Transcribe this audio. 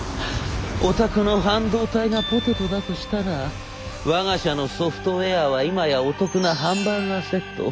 お宅の半導体がポテトだとしたらわが社のソフトウェアは今やお得なハンバーガーセット。